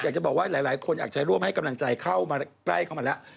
อยากจะบอกว่าหลายคนอยากจะร่วมให้กำลังใจเข้ามาใกล้เข้ามาแล้ว